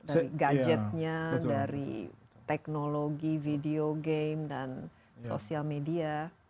dari gadgetnya dari teknologi video game dan sosial media